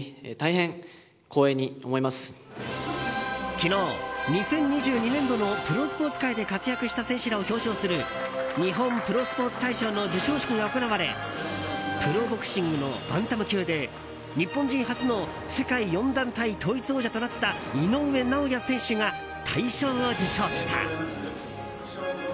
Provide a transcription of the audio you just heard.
昨日、２０２２年度のプロスポーツ界で活躍した選手らを表彰する日本プロスポーツ大賞の授賞式が行われプロボクシングのバンタム級で日本人初の世界４団体統一王者となった井上尚弥選手が大賞を受賞した。